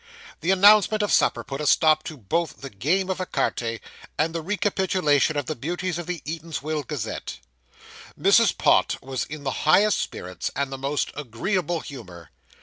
The announcement of supper put a stop both to the game of ecarte, and the recapitulation of the beauties of the Eatanswill Gazette. Mrs. Pott was in the highest spirits and the most agreeable humour.